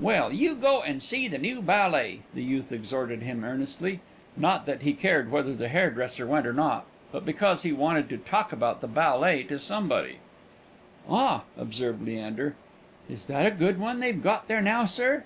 "Well, you go and see the new ballet," the youth exhorted him earnestly; not that he cared whether the hairdresser went or not, but because he wanted to talk about the ballet to somebody. "Ah!" observed Leander; "is that a good one they've got there now, sir?"